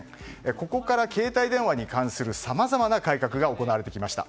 ここから携帯電話に関するさまざまな改革が行われてきました。